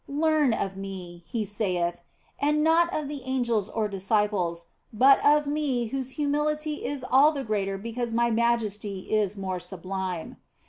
" Learn of Me," He saith, " and not of the angels or disciples, but of Me whose humility is all the greater because My majesty is more sublime."